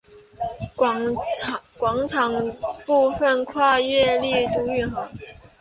广场部分跨越丽都运河。